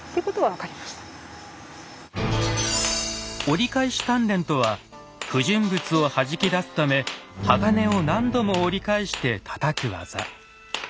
「折り返し鍛錬」とは不純物をはじき出すため鋼を何度も折り返してたたく技。